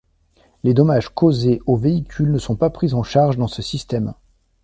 Les dommages causés aux véhicules ne sont pas pris en charge dans ce système.